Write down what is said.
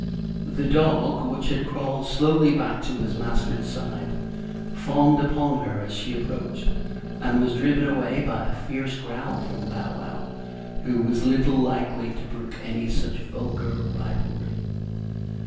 The dog, which had crawled slowly back to his master's side, fawned upon her as she approached, and was driven away by a fierce growl from Bow wow, who was little likely to brook any such vulgar rivalry.